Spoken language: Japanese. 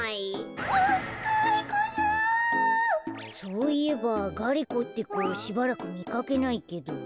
そういえばガリ子ってこしばらくみかけないけど。